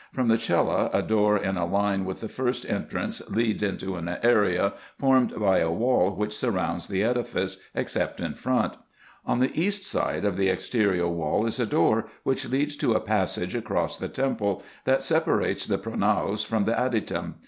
From the cella a door in a fine with the first entrance leads into an area, formed by a wall which surrounds the edifice, except in front. On the east side of the exterior wall is a door, which leads to a passage across the temple, that separates the pro naos from the adytum.